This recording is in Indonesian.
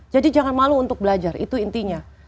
jadi jangan malu untuk belajar itu intinya